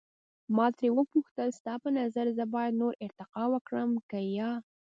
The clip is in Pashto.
ما ترې وپوښتل، ستا په نظر زه باید نوره ارتقا وکړم که یا؟